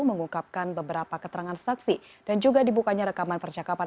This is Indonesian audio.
mengungkapkan beberapa keterangan saksi dan juga dibukanya rekaman percakapan